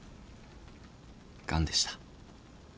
がんでした。